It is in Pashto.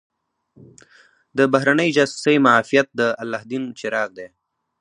د بهرنۍ جاسوسۍ معافیت د الله دین چراغ دی.